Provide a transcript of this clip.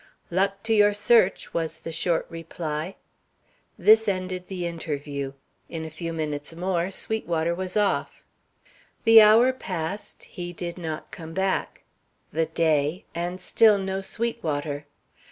"Luck to your search!" was the short reply. This ended the interview. In a few minutes more Sweetwater was off. The hour passed; he did not come back; the day, and still no Sweetwater.